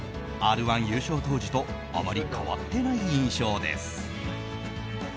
「Ｒ‐１」優勝当時とあまり変わっていない印象です。